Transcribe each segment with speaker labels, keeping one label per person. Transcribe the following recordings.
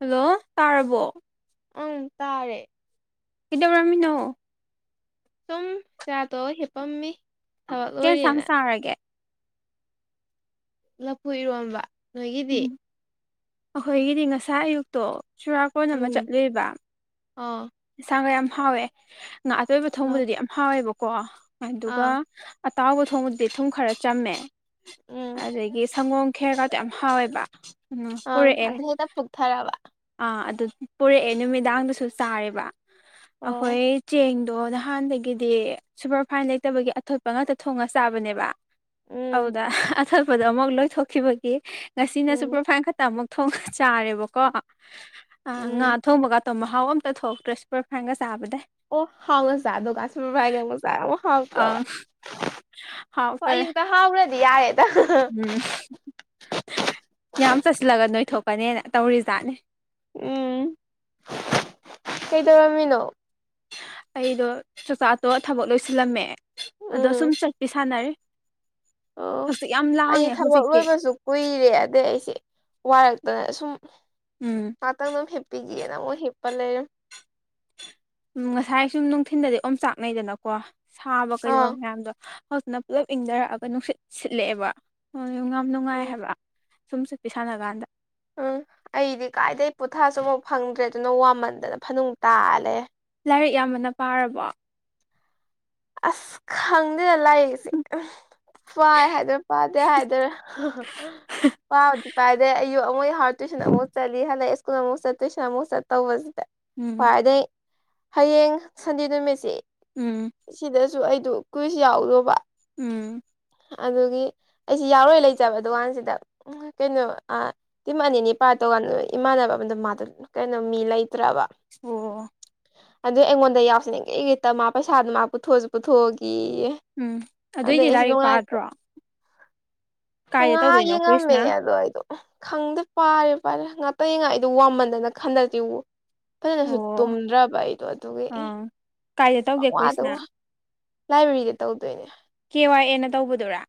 Speaker 1: hello ꯇꯥꯔꯕꯣ
Speaker 2: ꯑ ꯇꯥꯔꯦ
Speaker 1: ꯀꯩꯗꯧꯔꯝꯃꯤꯅꯣ
Speaker 2: ꯁꯨꯝ ꯆꯥꯇꯣ ꯍꯤꯞꯄꯝꯃꯤ ꯊꯕꯛ
Speaker 1: ꯀꯦꯟꯁꯥꯡ
Speaker 2: ꯂꯣꯏꯔꯦꯅ
Speaker 1: ꯆꯥꯔꯒꯦ
Speaker 2: ꯂꯐꯨ ꯏꯔꯣꯝꯕ ꯅꯣꯏꯒꯤꯗꯤ
Speaker 1: ꯎꯝ ꯑꯩꯈꯣꯏꯒꯤꯗꯤ ꯉꯁꯥꯏ ꯑꯌꯨꯛꯇꯣ ꯆꯨꯔꯥꯀꯣꯟ ꯑꯃ ꯆꯠꯂꯨꯕ
Speaker 2: ꯑꯥ
Speaker 1: ꯌꯦꯟꯁꯥꯡꯒ ꯌꯥꯝ ꯍꯥꯎꯋꯦ ꯉꯥ ꯑꯇꯣꯏꯕ
Speaker 2: ꯑ
Speaker 1: ꯊꯣꯡꯕꯗꯨꯗꯤ ꯌꯥꯝ ꯍꯥꯎꯋꯦꯕꯀꯣ ꯑꯗꯨꯒ
Speaker 2: ꯑꯥ
Speaker 1: ꯑꯇꯥꯎꯕ ꯊꯣꯡꯕꯗꯤ ꯊꯨꯝ ꯈꯔ ꯆꯝꯃꯦ
Speaker 2: ꯎꯝ
Speaker 1: ꯑꯗꯨꯗꯒꯤ ꯁꯪꯒꯣꯝ ꯈꯦꯔꯒꯗ ꯌꯥꯝ ꯍꯥꯎꯋꯦꯕ ꯎꯝ
Speaker 2: ꯑ
Speaker 1: ꯄꯨꯔꯛꯑꯦ
Speaker 2: ꯑꯗꯨꯗ꯭ꯔꯦꯗ ꯄꯨꯣꯛꯇꯔꯕ
Speaker 1: ꯑꯥ ꯑꯗꯨ ꯄꯨꯔꯛꯑꯦ ꯅꯨꯃꯤꯗꯥꯡꯗꯁꯨ ꯆꯥꯦꯔꯤꯕ
Speaker 2: ꯑꯣ
Speaker 1: ꯑꯩꯈꯣꯏ ꯆꯦꯡꯗꯣ ꯑꯍꯥꯟꯗꯒꯤꯗꯤ ꯁꯨꯄꯔꯐꯥꯏꯟ ꯂꯩꯇꯕꯒꯤ ꯑꯇꯣꯠꯄ ꯉꯥꯛꯇ ꯊꯣꯡꯉ ꯆꯥꯕꯅꯦꯕ
Speaker 2: ꯎꯝ
Speaker 1: ꯑꯗꯨꯗ ꯑꯇꯣꯞꯄꯗ ꯑꯃꯨꯛ ꯂꯣꯏꯊꯣꯛꯈꯤꯕꯒꯤ ꯉꯁꯤꯅꯁꯨ
Speaker 2: ꯎꯝ
Speaker 1: ꯄ꯭ꯔꯣꯐꯥꯏꯜ ꯈꯛꯇ ꯑꯃꯨꯛ ꯊꯣꯡ ꯆꯥꯔꯦꯕꯀꯣ ꯉꯥ
Speaker 2: ꯎꯝ
Speaker 1: ꯊꯣꯡꯕꯒ ꯑꯣ ꯃꯍꯥꯎ ꯑꯝꯇ ꯊꯣꯛꯂꯇ꯭ꯔꯦ ꯁꯨꯄꯔ ꯐ꯭ꯔꯥꯏꯟꯒ ꯆꯥꯕꯗꯩ
Speaker 2: ꯑꯣ ꯍꯥꯎꯉꯣ ꯆꯥꯗ ꯀꯁꯤꯃꯔ ꯍꯥꯏꯒꯦꯉꯣ ꯆꯥꯏꯣ ꯍꯥꯎꯕ꯭ꯔꯕ
Speaker 1: ꯑꯪ
Speaker 2: ꯍꯣꯏ
Speaker 1: ꯍꯥꯎꯇꯔꯦ
Speaker 2: ꯑꯌꯨꯛꯇ ꯍꯥꯎꯔꯗꯤ ꯌꯥꯔꯦ
Speaker 1: ꯎꯝ ꯌꯥꯝ ꯆꯠꯁꯤꯜꯂꯒ ꯅꯣꯏꯊꯣꯛꯀꯅꯦꯅ ꯇꯧꯔꯤꯖꯥꯠꯅꯦ
Speaker 2: ꯎꯝ ꯀꯩꯗꯧꯔꯝꯃꯤꯅꯣ
Speaker 1: ꯑꯩꯗꯣ ꯆꯥꯛꯆꯥꯥꯛꯇꯣ ꯊꯕꯛ ꯂꯣꯏꯁꯤꯜꯂꯝꯃꯦ ꯑꯗꯣ ꯁꯨꯝ
Speaker 2: ꯎꯝ
Speaker 1: ꯆꯠꯄꯤ ꯁꯥꯟꯅꯔꯤ
Speaker 2: ꯑꯣ
Speaker 1: ꯍꯛꯖꯤꯛ ꯌꯥꯝ
Speaker 2: ꯑꯩ
Speaker 1: ꯂꯥꯡꯉꯦ
Speaker 2: ꯊꯕꯛ
Speaker 1: ꯍꯧꯖꯤꯛꯇꯤ
Speaker 2: ꯂꯣꯏꯕꯁꯨ ꯀꯨꯏꯔꯦ ꯑꯗꯩꯩ ꯑꯩꯁꯦ ꯋꯥꯔꯛꯇꯅ ꯁꯨꯝ
Speaker 1: ꯎꯝ
Speaker 2: ꯄꯥꯇꯪ ꯅꯝ ꯍꯦꯞꯄꯤꯒꯌꯦꯅ ꯃꯣꯛ ꯍꯤꯞꯄꯒꯥ ꯂꯩꯔꯝ
Speaker 1: ꯎ ꯉꯁꯥꯏ ꯁꯨꯝ ꯅꯨꯡꯊꯤꯟꯜꯗꯗꯤ ꯑꯣꯝ ꯆꯥꯛꯅꯩꯗꯅꯀꯣ ꯁꯥꯕ
Speaker 2: ꯑꯥ
Speaker 1: ꯀꯩꯗꯧꯕ ꯃꯌꯥꯝꯗꯣ ꯍꯧꯖꯤꯅ ꯄꯨꯜꯂꯞ ꯏꯪꯗꯔꯛꯑꯒ ꯅꯨꯡꯁꯤꯠ ꯁꯤꯠꯂꯛꯑꯦꯕ ꯌꯥꯝ ꯅꯨꯡꯉꯥꯏ
Speaker 2: ꯎꯝ
Speaker 1: ꯍꯥꯏꯕ ꯁꯨꯝ ꯆꯠꯄꯤ ꯁꯥꯟꯅ ꯀꯥꯟꯗ
Speaker 2: ꯎꯝ ꯑꯩꯗꯤ ꯀꯥꯏꯗꯗꯩꯩ ꯄꯣꯊꯥꯁꯨ ꯑꯃꯨꯛ ꯐꯪꯗ꯭ꯔꯦ ꯑꯗꯨꯅ ꯋꯥꯃꯟꯗꯅ ꯐꯅꯨꯡ ꯇꯥꯜꯂꯦ
Speaker 1: ꯂꯥꯏꯔꯤꯛ ꯌꯥꯝꯃꯥꯟꯅ ꯄꯥꯔꯕꯣ
Speaker 2: ꯑꯁ ꯈꯪ ꯗꯦ ꯂꯥꯏꯔꯤꯛꯁꯦ ꯄꯥꯏ ꯍꯥꯏꯗꯣꯏꯔꯥ ꯄꯥꯗꯦ ꯍꯥꯏꯗꯣꯏꯔꯥ ꯄꯥꯕꯨꯗꯤ ꯄꯗꯦ [unintelligible] ꯇꯨꯏꯁꯟ ꯑꯃꯨꯛ ꯆꯠꯂꯤ ꯍꯟꯗꯛ ꯁ꯭ꯀꯨꯜ ꯑꯃꯨꯛ ꯆꯠ ꯇꯨꯏꯁꯟ ꯑꯃꯨꯛ ꯆꯠ ꯇꯧꯕꯁꯤꯗ
Speaker 1: ꯎꯝ
Speaker 2: [unintelligible] ꯍꯌꯦꯡ ꯁꯟꯗꯦ ꯅꯨꯃꯤꯠꯁꯤ
Speaker 1: ꯎꯝ
Speaker 2: ꯁꯤꯗꯁꯨ ꯑꯩꯗꯣ ꯀꯨꯏꯁ ꯌꯥꯎꯗꯣꯕ
Speaker 1: ꯎꯝ
Speaker 2: ꯑꯗꯨꯒꯤ ꯑꯩꯁꯤ ꯌꯥꯎꯔꯣꯏ ꯂꯩꯖꯕ ꯗꯨꯀꯥꯟꯁꯤꯗ ꯀꯩꯅꯣ ꯇꯤꯝ ꯑꯅꯤꯅꯤ ꯄꯥꯏ ꯇꯧꯀꯥꯟꯗ ꯏꯃꯥꯟꯅꯕ ꯑꯃꯗ ꯃꯥꯗ ꯀꯩꯅꯣ ꯃꯤ ꯂꯩꯇ꯭ꯔꯕ
Speaker 1: [unintelligible]
Speaker 2: ꯑꯗꯨꯏ ꯑꯩꯉꯣꯟꯗ ꯌꯥꯎꯁꯅꯤꯡꯉꯦ ꯒꯤꯔꯤ ꯃꯥ ꯄꯩꯁꯥꯗꯨ ꯃꯥ ꯄꯨꯊꯣꯛꯑꯁꯨ ꯄꯨꯊꯣꯛꯑꯒꯌꯦ
Speaker 1: ꯎꯝ ꯑꯗꯨꯢꯗꯤ ꯂꯥꯏꯔꯤꯛ ꯄꯥꯗ꯭ꯔꯣ ꯀꯥꯏꯗ
Speaker 2: ꯉꯥꯍꯛ
Speaker 1: ꯇꯧꯗꯣꯏꯅꯣ
Speaker 2: ꯌꯦꯟ ꯉꯝꯃꯦ
Speaker 1: ꯀꯨꯏꯁꯅ
Speaker 2: ꯑꯗꯣ ꯑꯩꯗꯣ ꯈꯪꯗꯦ ꯄꯥꯔꯦ ꯄꯥꯔꯦ ꯉꯥꯛꯇꯅꯤ ꯉꯥꯏꯗ ꯋꯥꯃꯟꯗꯅ [unintelligible] ꯐꯖꯅꯁꯨ
Speaker 1: ꯑꯣ
Speaker 2: ꯇꯨꯝꯗ꯭ꯔꯕ ꯑꯩꯗꯣ ꯑꯗꯨꯒꯤ ꯑꯦ
Speaker 1: ꯑꯥ ꯀꯥꯏꯗ ꯇꯧꯒꯦ
Speaker 2: ꯄꯋꯥꯗ
Speaker 1: ꯀꯨꯏꯁꯅ
Speaker 2: ꯋꯥ ꯂꯥꯏꯕ꯭ꯔꯦꯔꯤꯗ ꯇꯧꯗꯣꯏꯅꯦ
Speaker 1: ꯀꯦ ꯋꯥꯏ ꯑꯦꯅ ꯇꯧꯕꯗꯨꯔꯥ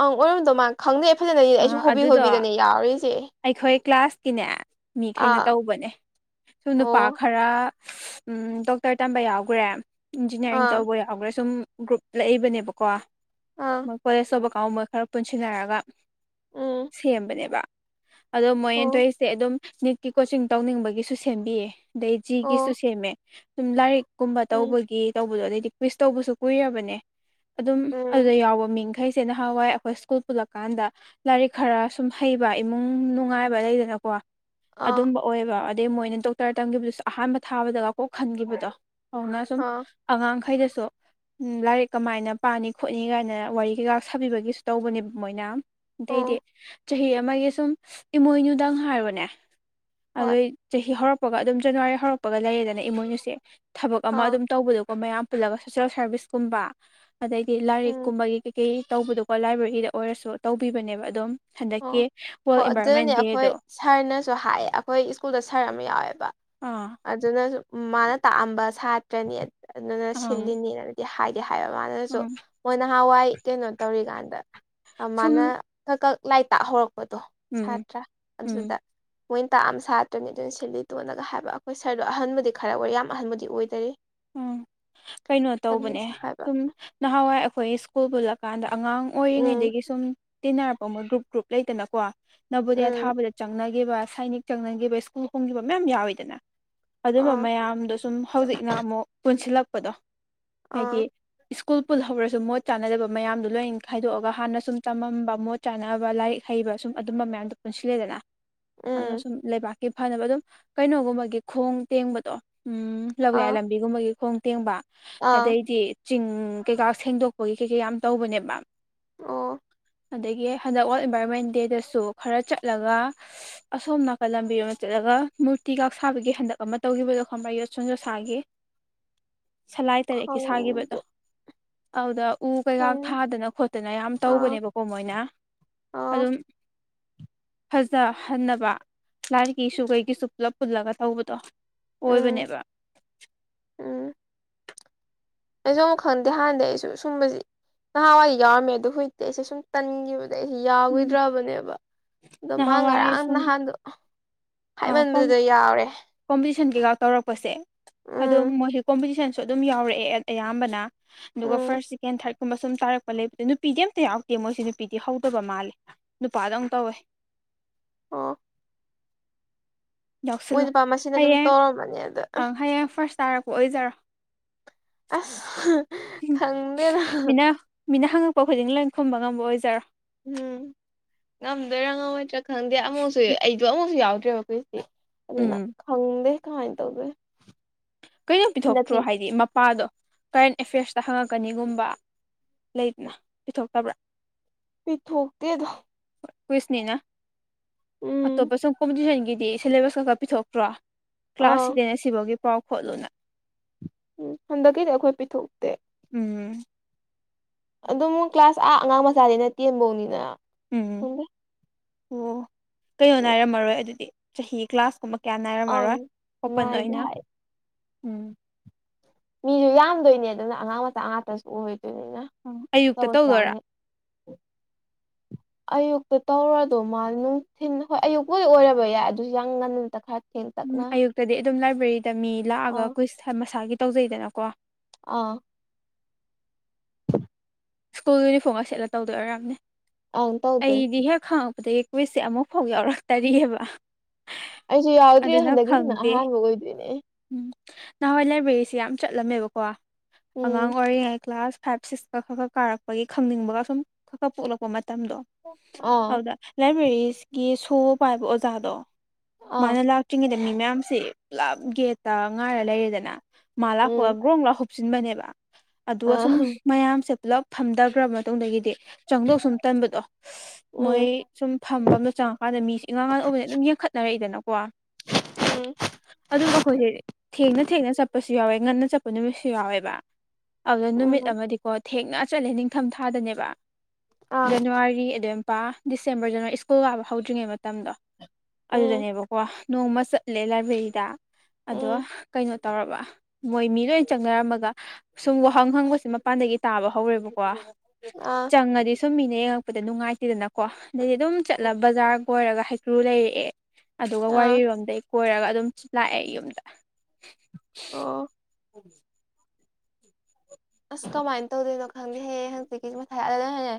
Speaker 2: ꯑꯪ ꯑꯣꯏꯔꯝꯗꯧ ꯃꯥ ꯈꯪꯗꯦ ꯐꯖꯅꯅꯤ ꯑꯩꯁꯨ
Speaker 1: ꯑꯥ
Speaker 2: ꯍꯣꯕꯤ
Speaker 1: ꯑꯗꯨꯗꯣ
Speaker 2: ꯍꯣꯕꯤꯗꯅꯦ ꯌꯥꯔꯤꯁꯦ
Speaker 1: ꯑꯩꯈꯣꯏ ꯀ꯭ꯂꯥꯁꯀꯤꯅꯦ ꯃꯤꯈꯩꯅ ꯇꯧꯕꯅꯦ ꯁꯨ ꯅꯨꯄꯥ
Speaker 2: ꯑꯣ
Speaker 1: ꯈꯔ ꯗꯣꯛꯇꯔ ꯇꯝꯕ ꯌꯥꯎꯈ꯭ꯔꯦ ꯏꯟꯖꯤꯅꯤꯌꯥꯔꯤꯡ
Speaker 2: ꯑꯥ
Speaker 1: ꯇꯧꯕ ꯌꯥꯎꯈ꯭ꯔꯦ ꯁꯨꯝ ꯒ꯭ꯔꯨꯞ ꯂꯛꯏꯕꯅꯦꯕꯀꯣ
Speaker 2: ꯑꯥ
Speaker 1: ꯃꯣꯏ ꯀꯣꯂꯦꯖ ꯇꯧꯕ ꯀꯥꯡꯕꯨ ꯃꯣꯏ ꯈꯔ ꯄꯨꯟꯁꯤꯟꯅꯔꯒ
Speaker 2: ꯎꯝ
Speaker 1: ꯁꯦꯝꯕꯅꯦꯕ ꯑꯗꯣ ꯃꯣꯏꯦꯟ
Speaker 2: ꯑꯣ
Speaker 1: ꯇꯧꯏꯁꯦ ꯑꯗꯨꯝ ꯅꯤꯠꯀꯤ ꯀꯣꯆꯤꯡ ꯇꯧꯅꯤꯡꯕꯒꯤꯁꯨ ꯁꯦꯝꯕꯤ ꯑꯗꯩ ꯖꯤꯒꯤꯁꯨ
Speaker 2: ꯑꯣ
Speaker 1: ꯁꯦꯝꯃꯦ ꯁꯨꯝ ꯂꯥꯏꯔꯤꯛ ꯀꯨꯝꯕ
Speaker 2: ꯎꯝ
Speaker 1: ꯇꯧꯕꯒꯤ ꯇꯧꯕꯗꯣ ꯑꯗꯩꯗꯤ ꯀꯎꯖ ꯇꯧꯕꯁꯨ ꯀꯨꯏꯔꯕꯅꯦ ꯑꯗꯨꯝ
Speaker 2: ꯎꯝ
Speaker 1: ꯑꯗꯨꯗ ꯌꯥꯎꯕ ꯃꯤꯡ [unintelligible] ꯅꯍꯥꯟꯋꯥꯏ ꯑꯩꯈꯣꯏ ꯁ꯭ꯀꯨꯜ ꯄꯨꯜꯂꯛꯀꯥꯟꯗ ꯂꯥꯏꯔꯤꯛ ꯈꯔ ꯁꯨꯝ ꯍꯩꯕ ꯏꯃꯨꯡ ꯅꯨꯡꯉꯥꯏꯕ ꯂꯩꯗꯅꯀꯣ
Speaker 2: ꯑꯥ
Speaker 1: ꯑꯗꯨꯝꯕ ꯑꯣꯏꯕ ꯑꯗꯩ ꯃꯣꯏꯅ ꯗꯣꯛꯇꯔ ꯇꯝꯈꯤꯕꯗꯨꯁꯨ ꯑꯍꯥꯟꯕ ꯊꯥꯕꯗꯒ ꯀꯣꯛ ꯈꯟꯈꯤꯕꯗꯣ ꯍꯧꯅ ꯁꯨꯝ
Speaker 2: ꯑꯥ
Speaker 1: ꯑꯉꯥꯡꯈꯩꯅꯁꯨ ꯂꯥꯏꯔꯤꯛ ꯀꯃꯥꯏꯅ ꯄꯥꯅꯤ ꯈꯣꯠꯅꯤ ꯀꯥꯏꯅ ꯋꯥꯔꯤ ꯀꯩꯀꯥ ꯁꯥꯕꯤꯕꯒꯤꯁꯨ ꯇꯧꯕꯅꯦꯕ ꯃꯣꯏꯅ ꯑꯗꯩꯗꯤ
Speaker 2: ꯑꯣ
Speaker 1: ꯆꯍꯤ ꯑꯃꯒꯤ ꯁꯨꯝ ꯏꯃꯣꯏꯅꯨꯗꯪ ꯍꯥꯏꯔꯣꯅꯦ
Speaker 2: ꯍꯣꯏ
Speaker 1: ꯑꯗꯨꯏ ꯆꯍꯤ ꯍꯧꯔꯛꯄꯒ ꯑꯗꯨꯝ ꯖꯅꯋꯥꯔꯤ ꯍꯧꯔꯛꯄꯒ ꯂꯩꯔꯦꯗꯅ ꯏꯃꯣꯏꯅꯁꯦ ꯊꯕꯛ ꯑꯃ
Speaker 2: ꯑꯥ
Speaker 1: ꯑꯗꯨꯝ ꯇꯧꯕꯗꯣꯀꯣ ꯃꯌꯥꯝ ꯄꯨꯜꯂꯒ ꯁꯣꯁꯦꯜ ꯁꯥꯔꯚꯤꯁꯀꯨꯝꯕ ꯑꯗꯩꯗꯤ ꯂꯥꯏꯔꯤꯛ
Speaker 2: ꯎꯝ
Speaker 1: ꯀꯨꯝꯕꯒꯤ ꯀꯩ ꯀꯩ ꯇꯧꯕꯗꯣ ꯂꯥꯏꯕ꯭ꯔꯦꯔꯤꯗ ꯑꯣꯏꯔꯁꯨ ꯇꯧꯕꯤꯕꯅꯦꯕ ꯑꯗꯨꯝ
Speaker 2: ꯑꯣ
Speaker 1: ꯍꯟꯗꯛꯀꯤ
Speaker 2: ꯍꯣꯏ
Speaker 1: ꯋꯥꯔꯜ
Speaker 2: ꯑꯗꯨꯅꯅꯦ
Speaker 1: ꯏꯟꯚꯥꯏꯔꯣꯟꯃꯦꯟ
Speaker 2: ꯑꯩꯈꯣꯏ
Speaker 1: ꯗꯦꯗꯣ
Speaker 2: ꯁꯥꯔꯅꯁꯨ ꯍꯥꯏꯌꯦ ꯑꯩꯈꯣꯏ ꯁ꯭ꯀꯨꯜꯗ ꯁꯥꯔ ꯑꯃ ꯌꯥꯎꯋꯦꯕ
Speaker 1: ꯑꯥ
Speaker 2: ꯑꯗꯨꯅꯁꯨ ꯃꯥꯅ ꯇꯥꯛꯑꯝꯕ ꯁꯥꯇ꯭ꯔꯅꯤ ꯑꯗꯨꯅ
Speaker 1: ꯑꯪ
Speaker 2: ꯁꯤꯜꯂꯤꯅꯤꯅ ꯍꯥꯏꯗꯤ ꯍꯥꯏꯕ ꯃꯥꯅꯁꯨ
Speaker 1: ꯑꯪ
Speaker 2: ꯃꯣꯏ ꯅꯍꯥꯟꯋꯥꯏ ꯀꯩꯅꯣ ꯇꯧꯔꯤꯀꯥꯟꯗ
Speaker 1: ꯁꯨꯝ
Speaker 2: ꯃꯥꯅ ꯀꯛ ꯀꯛ ꯂꯥꯏ ꯇꯥꯛꯍꯧꯔꯛꯄꯗꯣ
Speaker 1: ꯎꯝ
Speaker 2: ꯁꯥꯇ꯭ꯔꯥ
Speaker 1: ꯎꯝ
Speaker 2: ꯑꯗꯨꯗ ꯃꯣꯏꯅ ꯇꯥꯛꯑ ꯁꯥꯠꯇ꯭ꯔꯅꯤ ꯑꯗꯨꯅ ꯁꯤꯂꯤ ꯇꯣꯜꯂꯒ ꯍꯥꯏꯕ ꯑꯩꯈꯣꯏ ꯁꯔꯗꯣ ꯑꯍꯟꯕꯨꯗꯤ ꯈꯔ ꯑꯣꯏ ꯌꯥꯝ ꯑꯍꯟꯕꯨꯗꯤ ꯑꯣꯏꯗꯔꯤ
Speaker 1: ꯎꯝ ꯀꯩꯅꯣ ꯇꯧꯕꯅꯦ
Speaker 2: ꯑꯗꯨꯅꯁꯨ ꯍꯥꯏꯕ
Speaker 1: ꯁꯨꯝ ꯅꯍꯥꯟꯋꯥꯏ ꯑꯩꯈꯣꯏ ꯁ꯭ꯀꯨꯜ ꯄꯨꯜꯂꯀꯥꯟꯗ ꯑꯉꯥꯡ
Speaker 2: ꯎꯝ
Speaker 1: ꯑꯣꯏꯔꯤꯉꯩꯗꯒꯤ ꯁꯨꯝ ꯇꯤꯟꯅꯔꯛꯄ ꯑꯃ ꯒ꯭ꯔꯨꯞ ꯒ꯭ꯔꯨꯞ ꯂꯩꯇꯅꯀꯣ ꯅꯕꯨꯣꯗꯤꯌꯥ
Speaker 2: ꯎꯝ
Speaker 1: ꯊꯥꯕꯗ ꯆꯪꯅꯈꯤꯕ ꯁꯥꯏꯅꯤꯛ ꯆꯪꯅꯈꯤꯕ ꯁ꯭ꯀꯨꯜ ꯍꯣꯡꯈꯤꯕ ꯃꯌꯥꯝ ꯌꯥꯎꯋꯤꯗꯅ ꯑꯗꯨꯝꯕ
Speaker 2: ꯑꯥ
Speaker 1: ꯃꯌꯥꯝꯗꯁꯨ ꯁꯨꯝ ꯍꯧꯖꯤꯛꯅ ꯑꯃꯨꯛ ꯄꯨꯟꯁꯤꯜꯂꯛꯄꯗꯣ ꯍꯥꯏꯗꯤ
Speaker 2: ꯑꯥ
Speaker 1: ꯁ꯭ꯀꯨꯜ ꯄꯨꯜꯍꯧꯔꯁꯨ ꯃꯣꯠ ꯆꯥꯟꯅꯗꯕ ꯃꯌꯥꯝꯗꯨꯣ ꯂꯣꯏꯅ ꯈꯥꯏꯗꯣꯛꯑꯒ ꯍꯥꯟꯅ ꯁꯨꯝ ꯇꯝꯃꯝꯕ ꯃꯣꯠ ꯆꯥꯅꯕ ꯂꯥꯏꯔꯤꯛ ꯍꯩꯕ ꯁꯨꯝ ꯑꯗꯨꯝꯕ ꯃꯌꯥꯝꯗꯣ ꯄꯨꯟꯁꯤꯜꯂꯦꯗꯅ ꯑꯗ
Speaker 2: ꯎꯝ
Speaker 1: ꯁꯨꯝ ꯂꯩꯕꯥꯛꯀꯤ ꯐꯅꯕ ꯑꯗꯨꯝ ꯀꯩꯅꯣꯒꯨꯝꯕꯒꯤ ꯈꯣꯡ ꯇꯦꯡꯕꯗꯣ ꯎꯝ ꯆꯨꯞꯂꯕ ꯌꯥꯏ
Speaker 2: ꯑꯥ
Speaker 1: ꯂꯝꯕꯤꯒꯨꯝꯕꯒꯤ ꯈꯣꯡ ꯇꯦꯡꯕ
Speaker 2: ꯑꯥ
Speaker 1: ꯑꯗꯩꯗꯤ ꯆꯤꯡ ꯀꯩꯀꯥ ꯁꯦꯡꯗꯣꯛꯄꯒꯤ ꯀꯩ ꯀꯩ ꯌꯥꯝ ꯇꯧꯕꯅꯦꯕ
Speaker 2: ꯑꯣ
Speaker 1: ꯑꯗꯒꯤ ꯍꯟꯗꯛ ꯋꯥꯔꯜ ꯏꯟꯚꯥꯏꯔꯣꯟꯃꯦꯟ ꯗꯦꯗꯁꯨ ꯈꯔ ꯆꯠꯂꯒ ꯑꯁꯣꯝ ꯅꯥꯀꯜ ꯂꯝꯕꯤꯔ ꯑꯃ ꯆꯠꯂꯒ ꯃꯨꯔꯇꯤ ꯀꯥ ꯁꯥꯕꯒꯤ ꯍꯟꯗꯛ ꯑꯃ ꯇꯧꯈꯤꯕꯗꯣ ꯈꯕ꯭ꯔꯥ ꯌꯣꯠꯁꯣꯟ ꯌꯣꯠꯁꯥꯒꯤ ꯁꯂꯥꯏ ꯇꯔꯦꯠꯀꯤ ꯁꯥꯈꯤꯕꯗꯣ
Speaker 2: ꯈꯪꯗꯦ
Speaker 1: ꯑꯗꯨꯗ ꯎ ꯀꯩꯀꯥ
Speaker 2: ꯈꯪ
Speaker 1: ꯊꯥꯗꯅ ꯈꯣꯠ ꯑꯗꯨꯅ ꯌꯥꯝ
Speaker 2: ꯑꯥ
Speaker 1: ꯇꯧꯕꯅꯦꯕꯀꯣ ꯃꯣꯏꯅ
Speaker 2: ꯑꯥ
Speaker 1: ꯑꯗꯨꯝ ꯐꯖꯍꯟꯅꯕ ꯂꯥꯏꯔꯤꯒꯤꯁꯨ ꯀꯩꯒꯤꯁꯨ ꯄꯨꯂꯞ ꯄꯨꯜꯂꯒ ꯇꯧꯕꯗꯣ
Speaker 2: ꯎꯝ
Speaker 1: ꯑꯣꯏꯕꯅꯦꯕ
Speaker 2: ꯎꯝ ꯑꯩꯁꯨ ꯑꯃꯨꯛ ꯈꯪꯗꯦ ꯍꯥꯟꯅꯗꯤ ꯑꯩꯁꯨ ꯁꯨꯝꯕꯁꯤꯦ ꯅꯍꯥꯟꯋꯥꯏ ꯌꯥꯎꯔꯝꯃꯦ ꯑꯗꯨ ꯍꯧꯖꯤꯛꯇꯤ ꯑꯩꯁꯦ ꯁꯨꯝ ꯇꯟꯈꯤꯕꯗ ꯑꯩꯁ
Speaker 1: ꯎꯝ
Speaker 2: ꯌꯥꯎꯈꯤꯗ꯭ꯔꯕꯅꯦꯕ ꯑꯗꯣ ꯃꯥ
Speaker 1: ꯅꯍꯥꯟꯋꯥꯏ
Speaker 2: ꯉꯔꯥꯡ
Speaker 1: ꯁꯨꯝ
Speaker 2: ꯅꯍꯥꯟꯗꯣ ꯍꯥꯏꯃꯟꯕꯗꯨꯗ ꯌꯥꯎꯔꯦ
Speaker 1: ꯀꯣꯝꯄꯤꯇꯤꯁꯟ ꯀꯩꯀꯥ ꯇꯧꯔꯛꯄꯁꯦ
Speaker 2: ꯎꯝ
Speaker 1: ꯑꯗꯨꯝ ꯃꯣꯏꯁꯦ ꯀꯣꯝꯄꯤꯇꯤꯁꯟꯁꯨ ꯑꯗꯨꯝ ꯌꯥꯎꯔꯛꯑꯦ ꯑꯌꯥꯝꯕꯅ ꯑꯗꯨꯒ
Speaker 2: ꯎꯝ
Speaker 1: ꯐꯔꯁ ꯁꯀꯦꯟ ꯊꯥꯔ ꯒꯨꯝꯕ ꯁꯨꯝ ꯇꯥꯔꯛꯄ ꯂꯩꯕꯗ ꯅꯨꯄꯤꯗꯤ ꯑꯝꯇ ꯌꯥꯎꯗꯦ ꯃꯣꯏꯁꯦ ꯅꯨꯄꯤꯗꯤ ꯍꯧꯗꯕ ꯃꯥꯜꯂꯦ ꯅꯨꯄꯥꯗꯧ ꯇꯧꯋꯦ
Speaker 2: ꯑꯣ ꯃꯣꯏ
Speaker 1: ꯌꯥꯎꯁꯜꯂꯣ
Speaker 2: ꯅꯨꯄꯥ ꯃꯁꯤꯅ ꯑꯗꯨꯝ
Speaker 1: ꯍꯌꯦꯡ
Speaker 2: ꯇꯧꯔꯝꯃꯅꯤ ꯑꯗ
Speaker 1: ꯑꯪ ꯍꯌꯦꯡ ꯐꯥꯔꯁ ꯇꯥꯔꯛꯄ ꯑꯣꯏꯖꯔꯣ
Speaker 2: ꯑꯁ
Speaker 1: ꯎ
Speaker 2: ꯈꯪꯗꯦꯗ
Speaker 1: ꯃꯤꯅ ꯃꯤꯅ ꯍꯪꯉꯛꯄ ꯈꯨꯗꯤꯡ ꯂꯣꯏ ꯈꯨꯝꯕ ꯉꯝꯕ ꯑꯣꯏꯖꯔꯣ
Speaker 2: ꯎꯝ ꯉꯝꯗꯣꯏꯔꯥ ꯉꯝꯃꯣꯏꯗ꯭ꯔꯥ ꯈꯪꯗꯦ ꯑꯃꯨꯛꯁꯨ ꯑꯩꯗꯣ ꯑꯃꯨꯛꯁꯨ ꯌꯥꯎꯗ꯭ꯔꯦꯕ ꯑꯩꯈꯣꯏꯁꯦ ꯑꯗꯨꯅ
Speaker 1: ꯎꯝ
Speaker 2: ꯈꯪꯗꯦ ꯀꯃꯥꯏꯅ ꯇꯧꯗꯦ
Speaker 1: ꯀꯩꯅꯣꯝ ꯄꯤꯊꯣꯛꯇ꯭ꯔꯣ ꯍꯥꯏꯗꯤ ꯃꯄꯥꯗꯣ ꯀꯔꯦꯟ ꯑꯦꯐ꯭ꯌꯔꯁꯇ ꯍꯪꯉꯛꯀꯅꯤꯒꯨꯝꯕ ꯂꯩꯗꯅ ꯄꯤꯊꯣꯛꯇꯕ꯭ꯔꯥ
Speaker 2: ꯄꯤ ꯊꯣꯛꯣꯛꯇ ꯑꯗꯨꯣ
Speaker 1: ꯀꯨꯏꯁꯅꯤꯅ
Speaker 2: ꯎꯝ
Speaker 1: ꯑꯇꯣꯞꯄ ꯁꯨꯝ ꯀꯣꯝꯄꯤꯇꯤꯁꯟꯒꯤꯗꯤ ꯁꯤꯂꯦꯕꯁꯀꯛꯀ ꯄꯤꯊꯣꯛꯇ꯭ꯔꯣ ꯀ꯭ꯂꯥꯁ
Speaker 2: ꯑꯥ
Speaker 1: ꯁꯤꯗꯅꯦ ꯁꯤꯐꯥꯎꯒꯤ ꯄꯥꯎ ꯈꯣꯠꯂꯨꯅ
Speaker 2: ꯎꯝ ꯍꯟꯗꯛꯀꯤꯗꯤ ꯑꯩꯈꯣꯏ ꯄꯤꯊꯣꯛꯇꯦ
Speaker 1: ꯎꯝ
Speaker 2: ꯑꯗꯨꯝ ꯀ꯭ꯂꯥꯁ ꯑꯥ ꯑꯉꯥꯡ ꯃꯆꯥꯅꯤꯅ ꯇꯦꯟꯐꯧꯅꯤꯅ
Speaker 1: ꯎꯝ
Speaker 2: ꯈꯪꯗꯦ
Speaker 1: ꯑꯣ ꯀꯩꯅꯣ ꯍꯥꯏꯔꯝꯃꯔꯣꯏ ꯑꯗꯨꯗꯤ ꯆꯍꯤ ꯀ꯭ꯂꯥꯁꯀꯨꯝꯕ ꯀꯌꯥ
Speaker 2: ꯑꯪ
Speaker 1: ꯅꯥꯏꯔꯝꯃꯔꯣꯏ ꯑꯣꯄꯟ
Speaker 2: ꯅꯥꯏꯗꯦ
Speaker 1: ꯑꯣꯏꯅ
Speaker 2: ꯍꯥꯏ
Speaker 1: ꯎꯝ
Speaker 2: ꯃꯤꯁꯨ ꯌꯥꯝꯗꯣꯏꯅꯦ ꯑꯗꯨꯅ ꯑꯉꯥꯡ ꯃꯆꯥ ꯉꯥꯛꯇꯁꯨ ꯑꯣꯏꯗꯣꯏꯅꯤꯅ
Speaker 1: ꯎꯝ ꯑꯌꯨꯛꯇ
Speaker 2: ꯑꯆꯧꯕꯁꯨ
Speaker 1: ꯇꯧꯗꯣꯏꯔꯥ
Speaker 2: ꯌꯥꯎꯅꯦ [inaudible] ꯑꯌꯨꯛꯇ ꯇꯧꯔꯣ ꯃꯥꯜ ꯅꯨꯡꯊꯤꯜ ꯍꯣꯏ ꯑꯌꯨꯛꯇꯗꯤ ꯑꯣꯏꯔꯕ ꯌꯥꯏ ꯑꯗꯨꯁꯨ ꯌꯥꯝ ꯉꯟꯇ ꯈꯔ
Speaker 1: ꯎꯝ
Speaker 2: ꯊꯦꯡꯇꯛꯅ
Speaker 1: ꯑꯌꯨꯛꯇꯗꯤ ꯑꯗꯨꯝ ꯂꯥꯏꯕ꯭ꯔꯦꯔꯤꯗ ꯃꯤ ꯂꯥꯛꯑꯒ
Speaker 2: ꯑꯥ
Speaker 1: ꯀꯨꯏꯁ ꯃꯁꯥꯒꯤ ꯇꯧꯖꯩꯗꯅꯀꯣ
Speaker 2: ꯑꯥ
Speaker 1: ꯁ꯭ꯀꯨꯜ ꯌꯨꯅꯤꯐꯣꯔꯝꯒ ꯁꯦꯠꯂ ꯇꯧꯗꯣꯏ ꯑꯣꯏꯔꯝꯅꯦ
Speaker 2: ꯑꯪ ꯇꯧꯗꯣꯏꯅꯦ
Speaker 1: ꯑꯩꯗꯤ ꯍꯦꯛ ꯍꯪꯉꯛꯄꯗꯒꯤꯩ ꯍꯨꯏꯁꯦ ꯑꯃꯨꯛ ꯐꯥꯎ ꯌꯥꯎꯔꯛꯇꯔꯤꯑꯕ
Speaker 2: ꯑꯩꯁꯨ ꯌꯥꯎꯗ꯭ꯔꯤꯦ
Speaker 1: ꯑꯗꯨꯅ
Speaker 2: ꯍꯟꯗꯛꯀꯤꯁꯤꯅ
Speaker 1: ꯈꯪꯗꯦ
Speaker 2: ꯑꯍꯥꯟꯕ ꯑꯣꯏꯗꯣꯏꯅꯦ
Speaker 1: ꯎꯝ ꯅꯍꯥꯟꯋꯥ ꯂꯥꯏꯕ꯭ꯔꯦꯔꯤꯁꯤ ꯌꯥꯝ ꯆꯠꯂꯝꯃꯦꯕꯀꯣ ꯑꯉꯥꯡ
Speaker 2: ꯎꯝ
Speaker 1: ꯑꯣꯏꯔꯤꯉꯩ ꯀ꯭ꯂꯥꯁ ꯐꯥꯏꯚ ꯁꯤꯛꯁꯀ ꯈꯔ ꯈꯔ ꯀꯥꯔꯛꯄꯒꯤ ꯈꯪꯅꯤꯡꯕꯒ ꯁꯨꯝ ꯈ ꯈ ꯄꯣꯛꯂꯛꯄ ꯃꯇꯝꯗꯣ
Speaker 2: ꯑ
Speaker 1: ꯂꯥꯏꯕ꯭ꯔꯦꯔꯤꯁꯤꯒꯤ ꯁꯨ ꯄꯥꯏꯕ ꯑꯣꯖꯥꯗꯣ
Speaker 2: ꯑꯥ
Speaker 1: ꯃꯥꯅ ꯂꯥꯛꯇ꯭ꯔꯤꯉꯩꯗ ꯃꯤ ꯃꯌꯥꯝꯁꯤ ꯄꯨꯂꯞ ꯒꯦꯠꯇ ꯉꯥꯏꯔ ꯂꯩꯔꯦꯗꯅ ꯃꯥ
Speaker 2: ꯎꯝ
Speaker 1: ꯂꯥꯛꯄꯒ ꯒ꯭ꯔꯣ ꯭ꯔꯥ ꯍꯨꯞꯞꯆꯤꯟꯕꯅꯦꯕ ꯑꯗꯨꯒ ꯁꯨꯝ
Speaker 2: ꯑꯥ
Speaker 1: ꯃꯌꯥꯝꯁꯦ ꯄꯨꯂꯞ ꯐꯝꯊꯈ꯭ꯔꯕ ꯃꯇꯨꯡꯗꯒꯤꯗꯤ ꯆꯪꯗꯧ ꯁꯨꯝ ꯇꯟꯕꯗꯣ ꯃꯣꯏ
Speaker 2: ꯎꯝ
Speaker 1: ꯁꯨꯝ ꯐꯝꯕ ꯑꯃꯝꯗ ꯆꯪꯉꯀꯥꯟꯗ ꯃꯤꯁꯦ ꯏꯉꯥꯡꯉꯥꯟꯅꯕꯅꯤ ꯑꯗꯨꯝ ꯌꯦꯡꯈꯠꯅꯔꯛꯏꯗꯅꯀꯣ
Speaker 2: ꯎꯝ
Speaker 1: ꯑꯗꯨꯝ ꯑꯩꯈꯣꯏꯁꯦ ꯊꯦꯡꯅ ꯊꯦꯡꯅ ꯆꯠꯄꯁꯨ ꯌꯥꯎꯋꯦ ꯉꯟꯅ ꯆꯠꯄ ꯅꯨꯃꯤꯠꯁꯨ ꯌꯥꯎꯋꯦꯕ ꯑꯗꯨꯗ ꯅꯨꯃꯤꯠ
Speaker 2: ꯎꯝ
Speaker 1: ꯑꯃꯗꯤꯀꯣ ꯊꯦꯡꯅ ꯆꯠꯂꯦ ꯅꯤꯡꯊꯝ ꯊꯥꯗꯅꯦꯕ
Speaker 2: ꯑꯥ
Speaker 1: ꯖꯅꯋꯥꯔꯤ ꯑꯗꯨꯏꯄꯥ ꯗꯤꯁꯦꯝꯕꯔ ꯖꯅꯋꯥꯔꯤ ꯁ꯭ꯀꯨꯜ ꯀꯥꯕ ꯍꯧꯗ꯭ꯔꯤꯉꯩ ꯃꯇꯝꯗꯣ
Speaker 2: ꯎꯝ
Speaker 1: ꯑꯗꯨꯗꯅꯦꯕꯀꯣ ꯅꯣꯡꯃ ꯆꯠꯂꯦ ꯂꯥꯏꯕ꯭ꯔꯦꯔꯤꯗ ꯑꯗꯣ
Speaker 2: ꯎꯝ
Speaker 1: ꯀꯩꯅꯣ ꯇꯧꯔꯕ ꯃꯣꯏ ꯃꯤ ꯂꯣꯏꯅ ꯆꯪꯅꯔꯝꯃꯒ ꯁꯨꯝ ꯋꯥꯍꯪ ꯍꯪꯕꯕꯁꯤꯦ ꯃꯄꯥꯟꯗꯒꯤ ꯇꯥꯕ ꯍꯧꯔꯦꯕꯀꯣ
Speaker 2: ꯑꯥ
Speaker 1: ꯆꯪꯉꯗꯤ ꯁꯨꯝ ꯃꯤꯅ ꯌꯦꯡꯉꯛꯄꯗ ꯅꯨꯡꯉꯥꯏꯇꯦꯗꯅ ꯀꯣ ꯑꯗꯨꯗꯩꯗꯤ ꯑꯗꯨꯝ ꯆꯠꯂ ꯕꯖꯥꯔ ꯀꯣꯏꯔꯒ ꯍꯩꯀ꯭ꯔꯨ ꯂꯩꯔꯛꯑꯦ ꯑꯗꯨꯒ
Speaker 2: ꯑꯥ
Speaker 1: ꯋꯥꯔꯤꯔꯣꯝꯗꯩ ꯀꯣꯏꯔꯒ ꯑꯗꯨꯝ ꯂꯥꯛꯑꯦ ꯌꯨꯝꯗ
Speaker 2: ꯑꯣ
Speaker 1: ꯎꯝ
Speaker 2: ꯑꯁ ꯀꯃꯥꯏꯅ ꯇꯧꯗꯣꯏꯅꯣ ꯈꯪꯗꯦ ꯍꯦꯌꯦ ꯍꯪꯆꯤꯀꯤ ꯃꯊꯥꯏ ꯑꯠꯂ ꯍꯦ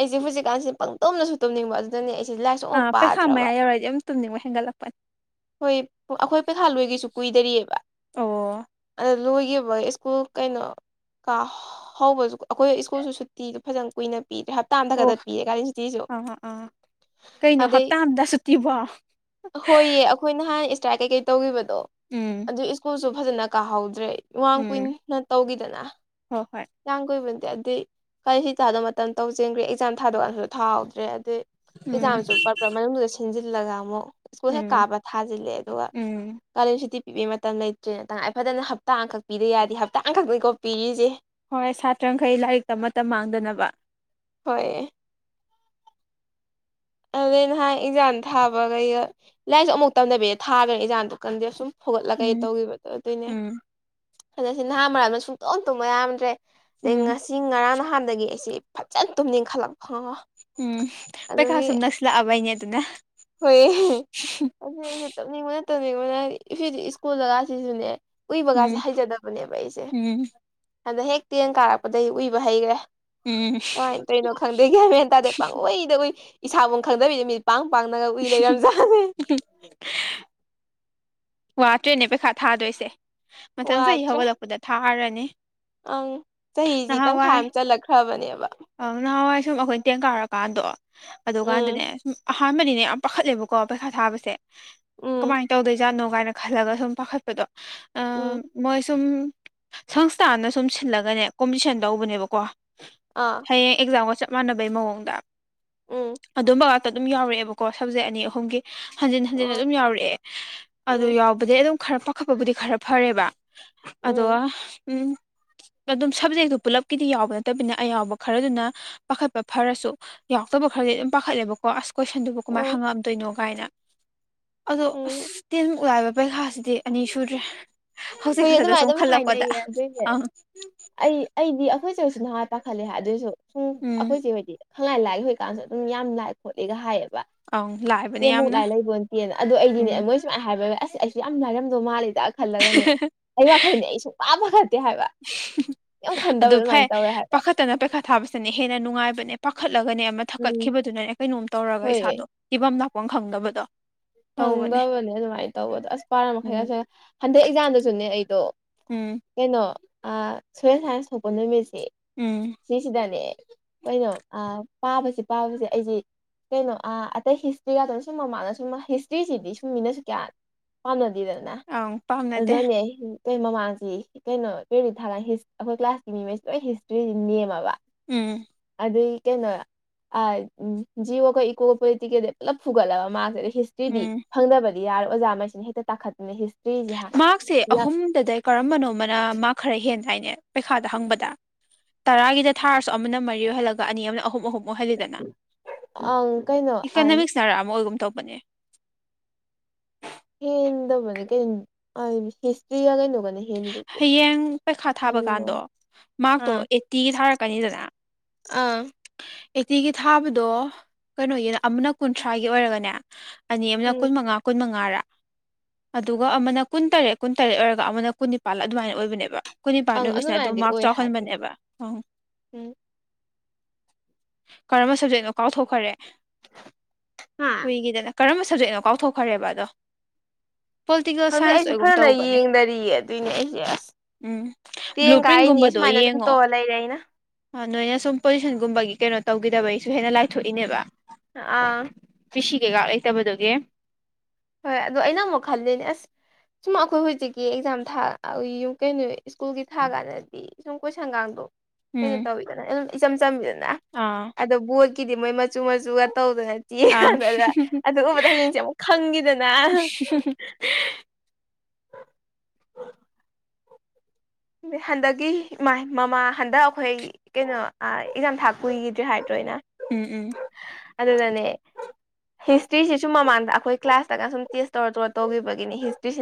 Speaker 2: ꯑꯩꯁꯦ ꯍꯧꯖꯤꯛꯀꯥꯟꯁꯤꯦ ꯄꯪꯇꯣꯝꯅꯁꯨ ꯇꯣꯝꯅꯤꯡꯕ ꯑꯗꯨꯅꯅꯤ ꯑꯩꯁꯦ ꯂꯥꯏ
Speaker 1: ꯑꯥ ꯄꯩꯈꯥ ꯃꯌꯥ ꯌꯧꯔꯗꯤ ꯑꯗꯨꯝ ꯇꯨꯝꯅꯤꯡꯕ ꯍꯦꯟꯒꯠꯂꯛꯄꯅꯤ
Speaker 2: ꯍꯣꯏ ꯑꯩꯈꯣꯏ ꯄꯩꯈꯥꯜꯂꯣꯏꯒꯤꯁꯨ ꯀꯨꯏꯗꯔꯤꯑꯕ
Speaker 1: ꯑꯣ
Speaker 2: ꯑꯗ ꯂꯣꯏꯈꯤꯕ ꯁ꯭ꯀꯨꯜ ꯀꯩꯅꯣ ꯀ ꯍꯧꯕꯁꯨ ꯑꯩꯈꯣꯏ ꯁ꯭ꯀꯨꯜꯁꯨ ꯁꯨꯇꯤꯗꯣ ꯐꯖꯅ ꯀꯨꯏꯅ ꯄꯤꯗ꯭ꯔꯦ ꯇꯥꯟꯊ
Speaker 1: ꯑꯣ
Speaker 2: ꯈꯗꯠꯄꯤꯤꯌꯦ ꯀꯒꯥꯔꯤꯁꯤꯇꯤꯁꯨ
Speaker 1: ꯑꯥ ꯑꯥ ꯀꯩꯅꯣ ꯍꯞꯇꯥ ꯑꯝꯗ ꯁꯨꯠꯇꯤꯕꯣ
Speaker 2: ꯍꯣꯏꯌꯦ ꯑꯩꯈꯣꯏ ꯅꯍꯥꯟ ꯏꯁꯇ꯭ꯔꯥꯏꯛ ꯀꯩꯀꯩ ꯇꯧꯈꯤꯕꯗꯣ
Speaker 1: ꯎꯝ
Speaker 2: ꯑꯗꯨ ꯁ꯭ꯀꯨꯜꯁꯨ ꯐꯖꯅ ꯀꯥꯍꯧꯗ꯭ꯔꯦ ꯏꯃꯥꯡ
Speaker 1: ꯎꯝ
Speaker 2: ꯀꯨꯏꯅ ꯇꯧꯈꯤꯗꯅ
Speaker 1: ꯍꯣꯏ ꯍꯣꯏ
Speaker 2: ꯌꯥꯝ ꯀꯨꯏꯕꯅꯗꯤ ꯑꯗꯨꯗ ꯀꯔꯤ ꯍꯇꯥꯥꯗ ꯃꯇꯝ ꯇꯧꯖꯦꯟꯈ꯭ꯔꯦ ꯑꯦꯛꯖꯥꯝ ꯊꯥꯗꯣꯛꯑꯥꯟꯁꯨ ꯊꯥꯍꯧꯗ꯭ꯔꯦ ꯑꯗꯨꯗꯩ
Speaker 1: ꯎꯝ
Speaker 2: ꯑꯦꯛꯖꯥꯝꯁꯨ ꯄꯛꯄ꯭ꯔꯥ ꯃꯅꯨꯡꯗꯨꯗ ꯁꯤꯟꯖꯤꯜꯂꯒ ꯑꯃꯨꯛ ꯁ꯭ꯀꯨꯜ ꯍꯦꯛ
Speaker 1: ꯎꯝ
Speaker 2: ꯀꯥꯕ ꯊꯥꯖꯤꯜꯂꯦ ꯑꯗꯨꯒ
Speaker 1: ꯎꯝ
Speaker 2: ꯀꯥꯂꯦꯟ ꯁꯨꯇꯤ ꯄꯤꯕꯤꯒꯤ ꯃꯇꯝ ꯂꯩꯇ꯭ꯔꯦꯅ ꯇꯉꯥꯏ ꯐꯗꯅ ꯍꯞꯇꯥ ꯑꯃꯈꯛ ꯄꯤꯗ ꯌꯥꯦ ꯍꯞꯇꯥ ꯑꯃꯈꯛꯇꯀꯣ ꯄꯤꯔꯤꯁꯦ
Speaker 1: ꯍꯣꯏ ꯁꯥꯇ꯭ꯔꯈꯩ ꯂꯥꯏꯔꯤꯛꯇ ꯑꯃꯠꯇ ꯃꯥꯡꯗꯅꯕ
Speaker 2: ꯍꯣꯏ ꯑꯗꯨꯗꯩ ꯅ ꯍꯥꯏ ꯏꯟꯖꯥꯡ ꯊꯥꯕꯈꯩꯗ ꯂꯥꯏꯔꯤꯛꯁꯨ ꯑꯃꯨꯛ ꯇꯝꯗꯕꯤꯗ ꯊꯥꯕ꯭ꯔꯅꯤ ꯏꯟꯖꯥꯡꯗꯣ ꯀꯟꯗꯦ ꯑꯁꯨꯝ ꯍꯧꯒꯠꯂꯀꯩ
Speaker 1: ꯎꯝ
Speaker 2: ꯇꯧꯈꯤꯕꯗꯣ ꯑꯗꯨꯏꯅꯦ
Speaker 1: ꯎꯝ
Speaker 2: ꯑꯗ ꯁꯤ ꯅꯍꯥ ꯃꯔꯜꯗ ꯁꯨꯡꯇꯣꯛ ꯇꯨꯝꯕ ꯌꯥꯝꯗ꯭ꯔꯦ ꯑꯗꯩ
Speaker 1: ꯎꯝ
Speaker 2: ꯉꯁꯤ ꯉꯔꯥꯡ ꯅꯍꯥꯟꯗꯒꯤ ꯑꯩꯁꯦ ꯐꯖꯅ ꯇꯨꯝꯅꯤꯡꯈꯠꯂꯛꯄ ꯈꯪꯉꯑꯣ
Speaker 1: ꯎꯝ ꯄꯩꯈꯥ ꯁꯨꯝ ꯅꯁꯤꯜꯂꯛꯑꯕꯩꯅꯦ ꯑꯗꯨꯅ
Speaker 2: ꯍꯣꯏ ꯑꯗꯨ ꯑꯩꯁꯨꯦ ꯇꯧꯅꯤꯡꯕꯅ ꯇꯧꯅꯤꯡꯕꯅꯦ ꯏꯦꯗꯤ ꯏꯁꯀꯨꯜꯂꯒꯁꯤꯁꯨꯅꯦ ꯎꯏꯕꯒꯥꯁꯦ
Speaker 1: ꯎꯝ
Speaker 2: ꯍꯩꯖꯗꯕꯅꯦꯕ ꯑꯩꯁꯦ
Speaker 1: ꯎꯝ
Speaker 2: ꯍꯟꯗꯛ ꯍꯦꯛ ꯇꯦꯟ ꯀꯥꯔꯛꯄꯗꯒꯤꯩ ꯎꯏꯕ ꯍꯩꯈ꯭ꯔꯦ
Speaker 1: ꯎꯝ
Speaker 2: ꯀꯃꯥꯏꯅ ꯇꯔꯤꯅꯣ ꯈꯪꯗꯦꯒꯦ ꯍꯥꯏꯕ ꯍꯥꯏꯟꯇꯥꯔꯦꯗꯤ ꯄꯥꯡꯂꯏꯗ ꯑꯩꯏ ꯏꯁꯥꯕꯨ ꯈꯪꯗꯕꯤꯗ ꯃꯤ ꯄꯥꯡ ꯄꯤ ꯂꯩꯔꯝꯖꯦ
Speaker 1: ꯋꯥꯠꯇ꯭ꯔꯦꯅꯦ ꯄꯩꯈꯥ ꯊꯥꯗꯣꯏꯁꯦ ꯃꯊꯪ ꯆꯍꯤ
Speaker 2: ꯋꯥꯗ꯭ꯔꯦ
Speaker 1: ꯍꯧꯒꯠꯂꯛꯄꯗ ꯊꯥꯔꯅꯤ
Speaker 2: ꯑꯪ ꯆꯍꯤꯁꯤ ꯇꯪꯈꯥꯏ
Speaker 1: ꯅꯍꯥꯟꯋꯥꯏ
Speaker 2: ꯑꯃ ꯆꯜꯂꯛꯈ꯭ꯔꯕꯅꯦꯕ
Speaker 1: ꯑ ꯅꯍꯥꯟꯋꯥꯏ ꯁꯨꯝ ꯑꯩꯈꯣꯏꯅ ꯇꯦꯟ ꯀꯥꯔꯀꯥꯟꯗꯣ
Speaker 2: ꯎꯝ
Speaker 1: ꯑꯗꯨꯀꯥꯟꯗꯅꯦ ꯁꯨꯝ ꯑꯍꯥꯟꯕꯅꯤꯅꯦ ꯌꯥꯝ ꯄꯥꯈꯠꯂꯦꯕꯀꯣ ꯄꯩꯁꯥ ꯊꯥꯕꯁꯦ
Speaker 2: ꯎꯝ
Speaker 1: ꯀꯃꯥꯏꯅ ꯇꯧꯗꯣꯏꯖꯥꯠꯅꯣ ꯏꯅ ꯈꯜꯂꯒ ꯁꯨꯝ
Speaker 2: ꯎꯝ
Speaker 1: ꯄꯥꯈꯠꯄꯗꯣꯏ ꯁꯨꯝ ꯁꯪꯁꯊꯥꯟꯅ ꯁꯨꯝ ꯁꯤꯜꯂꯒꯅꯦ ꯀꯣꯝꯄꯤꯇꯤꯁꯟ ꯇꯧꯕꯅꯦꯕꯀꯣ
Speaker 2: ꯑꯥ
Speaker 1: ꯍꯌꯦ ꯑꯦꯛꯥꯝꯒ ꯆꯞ ꯃꯥꯟꯅꯕꯩ ꯃꯑꯣꯗ
Speaker 2: ꯎꯝ
Speaker 1: ꯑꯗꯨꯝꯕ ꯇ ꯑꯗꯨꯝ ꯌꯥꯎꯔꯛꯑꯦꯕꯀꯣ ꯁꯞꯖꯦꯛ ꯑꯅꯤ ꯑꯍꯨꯝꯒꯤ ꯍꯟꯖꯤꯟ ꯍꯟꯖꯤꯟ
Speaker 2: ꯑꯣ
Speaker 1: ꯑꯗꯨꯝ ꯌꯥꯎꯔꯛꯑꯦ ꯑꯗꯨ
Speaker 2: ꯎꯝ
Speaker 1: ꯌꯥꯎꯕꯗꯤꯩ ꯑꯗꯨꯝ ꯈꯔ ꯄꯥꯈꯠꯄꯕꯨꯗꯤ ꯈꯔ ꯐꯔꯦꯕ ꯑꯗꯣ
Speaker 2: ꯎꯝ
Speaker 1: ꯎꯝ ꯑꯗꯨꯝ ꯁꯕꯖꯦꯛꯇꯨ ꯄꯨꯜꯂꯞꯀꯤꯗꯤ ꯌꯥꯎꯕ ꯅꯠꯇꯕꯤꯅꯤꯅ ꯑꯌꯥꯎꯕ ꯈꯔꯗꯨꯅ ꯄꯥꯈꯠꯄ ꯐꯔꯁꯨ ꯌꯥꯎꯗꯕ ꯈꯔꯗꯤ ꯑꯗꯨꯝ ꯄꯥꯈꯠꯂꯦꯕꯀꯣ ꯑꯁ ꯀꯣꯏꯁꯟꯗꯨꯕꯨ ꯀꯃꯥꯏꯅ
Speaker 2: ꯎꯝ
Speaker 1: ꯍꯪꯉꯛꯑꯝꯗꯣꯏꯅꯣ ꯀꯥꯏꯅ ꯑꯗꯣ
Speaker 2: ꯎꯝ
Speaker 1: ꯑꯁ ꯇꯤꯟꯃꯨꯛ ꯂꯥꯏꯕ ꯄꯔꯤꯈꯥꯁꯤꯗꯤ ꯑꯅꯤ ꯁꯨꯗ꯭ꯔꯦ ꯍꯧꯖꯤꯛ
Speaker 2: ꯍꯣꯏ
Speaker 1: ꯈꯛꯇꯗ
Speaker 2: ꯑꯗꯨꯃꯥꯏꯅ
Speaker 1: ꯁꯨꯝ
Speaker 2: ꯑꯗꯨꯝ
Speaker 1: ꯈꯜꯂꯛꯄꯗ
Speaker 2: ꯍꯥꯏꯅꯩꯌꯦ ꯑꯗꯨꯏꯅꯦ
Speaker 1: ꯑ
Speaker 2: ꯑꯩ ꯑꯩꯗꯤ ꯑꯩꯈꯣꯏꯁꯦ ꯑꯣꯏꯁꯨ ꯅꯍꯥ ꯇꯥꯈꯠꯂꯦ ꯑꯗꯨꯑꯣꯏꯁꯨ ꯁꯨꯝ
Speaker 1: ꯎꯝ
Speaker 2: ꯑꯩꯈꯣꯏꯁꯦ ꯑꯣꯏꯗꯤ ꯈꯪꯂꯥꯏ ꯂꯥꯏꯒꯤ ꯍꯣꯏꯀꯥꯟꯁꯨ ꯑꯗꯨꯝ ꯌꯥꯝ ꯂꯥꯏ ꯈꯣꯠꯂꯤꯒ ꯍꯥꯏꯌꯦꯕ
Speaker 1: ꯑꯪ ꯂꯥꯏꯕꯅꯦ
Speaker 2: ꯇꯦꯃꯨꯛ
Speaker 1: ꯌꯥꯝꯅ
Speaker 2: ꯂꯥꯏ ꯂꯩꯕꯣꯅ ꯇꯦꯅ ꯑꯗꯨ
Speaker 1: ꯎꯝ
Speaker 2: ꯑꯩꯗꯤꯅꯦꯣꯏ ꯁꯨꯃꯥꯏꯅ ꯍꯥꯏꯕ ꯑꯁ ꯑꯩꯁꯨ ꯌꯥꯝ ꯂꯥꯏꯔꯝꯗꯧ ꯃꯥꯜꯂꯤꯦꯗ ꯈꯜꯂꯒꯅꯦ ꯑꯩ ꯋꯥꯈꯜꯅꯦ ꯑꯩ ꯁꯨꯡ ꯃꯥ ꯐꯒꯠꯠꯇꯦ ꯠꯇꯦ ꯍꯥꯏꯕ ꯌꯥꯝ ꯈꯟꯗꯕ ꯑꯗꯨꯃꯥꯏꯅ ꯇꯧꯋꯦ ꯍꯥꯏꯕ
Speaker 1: ꯐꯠꯇꯅ ꯄꯩꯈꯥ ꯊꯥꯕꯁꯤꯅꯦ ꯍꯦꯟꯅ ꯅꯨꯡꯉꯥꯏꯕꯅꯦ ꯄꯥꯈꯠꯂꯒꯅꯦ ꯑꯃ
Speaker 2: ꯎꯝ
Speaker 1: ꯊꯛꯀꯠꯈꯤꯕꯗꯨꯅꯅꯦ ꯀꯩꯅꯣꯝ ꯇꯧꯔꯒ
Speaker 2: ꯍꯣꯏ
Speaker 1: ꯏꯁꯥꯗꯣ ꯏꯤꯐꯝꯝ ꯂꯥꯛꯄꯐꯝ ꯈꯪꯗꯕꯗꯣ ꯇꯧꯕꯅꯦ
Speaker 2: ꯈꯪꯗꯕꯅꯦ ꯑꯗꯨꯃꯥꯏꯅ ꯇꯧꯕ ꯑꯗꯣ ꯑꯁ ꯄꯥꯔ
Speaker 1: ꯎꯝ
Speaker 2: ꯃꯈꯩꯒꯁꯨ ꯍꯟꯗꯛ ꯑꯦꯛꯖꯥꯝꯗꯁꯨꯅꯦ ꯑꯩꯗꯣ
Speaker 1: ꯎꯝ
Speaker 2: ꯀꯩꯅꯣ ꯁꯣꯌꯦꯜ ꯁꯥꯏꯟꯁ ꯊꯣꯛꯄ ꯅꯨꯃꯤꯠꯁꯤ
Speaker 1: ꯎꯝ
Speaker 2: ꯁꯤꯁꯤꯗꯅꯦ ꯀꯩꯅꯣ ꯄꯥꯕꯁꯤ ꯄꯥꯕꯁꯦ ꯑꯩꯁꯦ ꯀꯩꯅꯣ ꯑ ꯑꯇꯩ ꯍꯤꯁꯇ꯭ꯔꯤꯒꯗꯅ ꯁꯨꯝ ꯃꯃꯥꯅ ꯁꯨꯝ ꯍꯤꯁꯇ꯭ꯔꯤꯁꯤꯗꯤ ꯁꯨꯝ ꯃꯤꯅꯁꯨ ꯀꯌꯥ ꯄꯥꯝꯅꯗꯦꯗꯅ
Speaker 1: ꯑꯪ ꯄꯥꯝꯅꯗꯦ
Speaker 2: ꯑꯗꯨꯅꯅꯦ ꯀ ꯃꯃꯥꯡꯁꯤ ꯀꯩꯅꯣ ꯇ ꯊꯥ ꯑꯩꯈꯣꯏ ꯀ꯭ꯂꯥꯁꯀꯤ ꯃꯤꯉꯩꯁꯤ ꯂꯣꯏ ꯍꯤꯁꯇ꯭ꯔꯤꯁꯤ ꯅꯦꯝꯃꯕ
Speaker 1: ꯎꯝ
Speaker 2: ꯑꯗꯨꯏ ꯀꯩꯅꯣ ꯑ ꯖꯤꯕ ꯀꯧꯕ ꯏꯀꯣꯒ ꯄ ꯇꯀꯦꯗꯤ ꯄꯨꯂꯞ ꯐꯨꯒꯂꯕ ꯃꯥ ꯑꯗꯨꯏꯗꯤ
Speaker 1: ꯎꯝ
Speaker 2: ꯐꯪꯗꯕꯗꯤ ꯌꯥꯔꯣꯏ ꯑꯣꯖꯥꯈꯩꯁꯤꯅ ꯍꯦꯛꯇ ꯇꯥꯈꯠꯇꯅ ꯍꯤꯁꯇ꯭ꯔꯤꯁꯤ
Speaker 1: ꯃꯥꯁꯦ
Speaker 2: ꯄꯨꯂꯞ
Speaker 1: ꯑꯍꯨꯝꯗꯗ ꯀꯔꯝꯕꯅꯣꯃꯅ ꯃꯥ ꯈꯔ ꯍꯦꯟꯗꯥꯏꯅꯦ ꯄꯩꯈꯥꯗ ꯍꯪꯕꯗ ꯇꯔꯥꯒꯤꯗ ꯊꯥꯔꯁꯨ ꯑꯃꯅ ꯃꯔꯤ ꯑꯣꯏꯍꯜꯂꯒ ꯑꯅꯤ ꯑꯃꯅ ꯑꯍꯨꯝ ꯑꯍꯨꯝ ꯃꯣꯏꯍꯜꯂꯤꯗꯅ
Speaker 2: ꯑꯪ ꯀꯩꯅꯣ
Speaker 1: ꯏꯀꯅꯃꯤꯛꯁ ꯅꯔꯛ ꯑꯃ ꯑꯣꯏꯒꯨꯝ ꯇꯧꯕꯅꯦ
Speaker 2: ꯍꯦꯟꯗꯕ ꯀꯩꯅ ꯍꯤꯁꯇ꯭ꯔꯤ ꯌꯥ ꯀꯩꯅꯧꯒꯅꯤ
Speaker 1: ꯍꯌꯦꯡ ꯄꯩꯈꯥ ꯊꯥꯕ ꯀꯥꯟꯗꯣ ꯃꯥꯔꯛꯇꯣ
Speaker 2: ꯑꯥ
Speaker 1: ꯑꯩꯠꯇꯤꯒꯤ ꯊꯥꯔꯛꯀꯅꯤꯗꯅ
Speaker 2: ꯑꯥ
Speaker 1: ꯑꯦꯠꯇꯤꯒꯤ ꯊꯥꯕꯗꯣ ꯀꯩꯅꯣꯒꯤ ꯑꯃꯅ ꯀꯨꯟꯊ꯭ꯔꯥꯒꯤ ꯑꯣꯏꯔꯒꯅꯦ ꯑꯅꯤ ꯑꯃꯅ ꯀꯨꯟ
Speaker 2: ꯎꯝ
Speaker 1: ꯃꯉꯥ ꯀꯨꯟ ꯃꯉꯥ ꯃꯉꯥꯔꯥ ꯑꯗꯨꯒ ꯑꯃꯅ ꯀꯨꯟ ꯇꯔꯦꯠ ꯀꯨꯟ ꯇꯔꯦꯠ ꯑꯣꯏꯔꯒ ꯑꯃꯅ ꯀꯨꯟ ꯅꯤꯄꯥꯜ ꯑꯗꯨꯃꯥꯏꯅ ꯑꯣꯏꯕꯅꯦꯕ ꯀꯨꯟꯅꯤꯄꯥꯟ
Speaker 2: ꯑꯪ
Speaker 1: ꯑꯣꯏꯕꯁꯤꯅ ꯑꯗꯨꯝ
Speaker 2: ꯑꯗꯨꯃꯥꯏꯅꯗꯤ
Speaker 1: ꯃꯥꯛ
Speaker 2: ꯑꯣꯏ ꯍꯥꯏꯕꯅꯦ
Speaker 1: ꯆꯥꯎꯍꯟꯕꯅꯦꯕ ꯑꯪ
Speaker 2: ꯎꯝ
Speaker 1: ꯀꯔꯝꯕ ꯁꯕꯖꯦꯛꯅꯣ ꯀꯥꯎꯊꯣꯛꯈ꯭ꯔꯦ
Speaker 2: ꯍꯥ
Speaker 1: ꯀꯨꯏꯒꯤꯗꯅ ꯀꯔꯝꯕ ꯁꯕꯖꯦꯛꯅꯣ ꯀꯥꯎꯊꯣꯛꯈ꯭ꯔꯦꯕ ꯑꯗꯣ ꯄꯣꯂꯤꯇꯤꯀꯦꯜ
Speaker 2: ꯈꯪꯗꯦ
Speaker 1: ꯁꯥꯏꯟꯁ
Speaker 2: ꯑꯩꯁꯨ
Speaker 1: ꯑꯣꯏꯒꯨꯝ
Speaker 2: ꯐꯖꯅ
Speaker 1: ꯇꯧꯕꯅꯦ
Speaker 2: ꯌꯦꯡꯅꯔꯤꯌꯦ ꯑꯗꯨꯏꯅꯦ ꯑꯩꯁꯦ ꯑꯁ
Speaker 1: ꯎꯝ ꯕ꯭ꯂꯨ
Speaker 2: ꯇꯦꯟꯒꯥꯏꯅꯤ
Speaker 1: ꯄ꯭ꯔꯤꯟꯒꯨꯝꯕꯗꯣ
Speaker 2: ꯁꯨꯃꯥꯏꯅ ꯑꯗꯨꯝ
Speaker 1: ꯌꯦꯡꯉꯣ
Speaker 2: ꯇꯣꯛꯑ ꯂꯩꯔꯦ ꯑꯩꯅ
Speaker 1: ꯅꯣꯏꯅ ꯁꯨꯝ ꯄꯣꯖꯤꯁꯟꯒꯨꯝꯕꯒꯤ ꯀꯩꯅꯣ ꯇꯧꯈꯤꯗꯕꯒꯤꯁꯨ ꯍꯦꯟꯅ ꯂꯥꯏꯊꯣꯛꯏꯅꯦꯕ
Speaker 2: ꯑꯥ
Speaker 1: ꯕꯤꯁꯤ ꯀꯩꯀꯥ ꯂꯩꯖꯕꯗꯨꯒꯤ
Speaker 2: ꯍꯣꯏ ꯑꯗꯣ ꯑꯩꯅ ꯑꯃꯨꯛ ꯈꯜꯂꯤꯅꯦ ꯑꯁ ꯁꯨꯝ ꯑꯩꯈꯣꯏ ꯍꯧꯖꯤꯛꯀꯤ ꯑꯦꯛꯖꯥꯝ ꯊꯥ ꯀꯩꯅꯣ ꯁ꯭ꯀꯨꯜꯒꯤ ꯊꯥ ꯀꯥꯟꯗꯗꯤ ꯁꯨꯝ ꯀꯣꯏ ꯁꯪꯒꯥꯡꯗꯣ ꯀꯩꯅꯣ
Speaker 1: ꯎꯝ
Speaker 2: ꯇꯧꯋꯤꯗꯅ ꯏꯆꯝ ꯆꯝꯕꯤꯗꯅ
Speaker 1: ꯑꯥ
Speaker 2: ꯑꯗꯣ ꯕꯣꯠꯀꯤꯗꯤ ꯃꯣꯏ ꯃꯆꯨ ꯃꯆꯨꯒ
Speaker 1: ꯑꯪ
Speaker 2: ꯇꯧꯗꯅꯠꯇꯦꯗꯅ ꯑꯗꯨꯒꯨꯝꯕꯗ ꯍꯌꯦꯡꯁꯦ ꯑꯃꯨꯛꯪꯈꯤ ꯗꯅ
Speaker 1: [inaudible] [inaudible]
Speaker 2: ꯑ ꯍꯟꯗꯛꯀꯤ ꯏꯃꯥꯏ ꯃꯃꯥ ꯍꯟꯗꯛ ꯑꯩꯈꯣꯏ ꯀꯩꯅꯣ ꯑꯦꯛꯖꯥꯝ ꯊꯥꯛ ꯀꯨꯏꯈꯤꯗ꯭ꯔꯦ ꯍꯥꯏꯗ꯭ꯔꯣꯅ
Speaker 1: ꯎꯝ ꯎꯝ
Speaker 2: ꯑꯗꯨꯗꯗꯅꯦ ꯍꯤꯁꯇ꯭ꯔꯤꯁꯤꯁꯨ ꯃꯃꯥꯡꯗ ꯑꯩꯈꯣꯏ ꯀ꯭ꯂꯥꯁꯇꯒ ꯁꯨꯝ ꯇꯦꯁ ꯇꯧꯔ ꯇꯧꯔ ꯇꯧꯈꯤꯕꯒꯤꯅꯤ ꯍꯤꯁꯇ꯭ꯔꯤꯁꯤ